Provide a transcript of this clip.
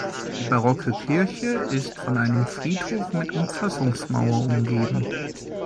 Die barocke Kirche ist von einem Friedhof mit Umfassungsmauer umgeben.